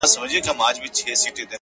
-چي د اُمید شمه مي کوچ له شبستانه سوله-